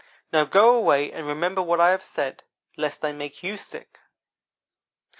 Now go away, and remember what I have said, lest I make you sick.